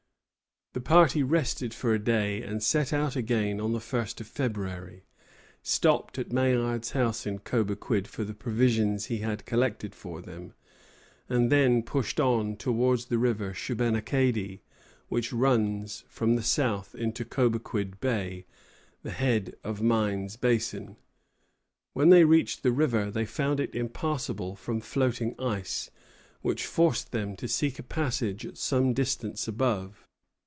The party rested for a day, and set out again on the 1st of February, stopped at Maillard's house in Cobequid for the provisions he had collected for them, and then pushed on towards the river Shubenacadie, which runs from the south into Cobequid Bay, the head of Mines Basin. When they reached the river they found it impassable from floating ice, which forced them to seek a passage at some distance above.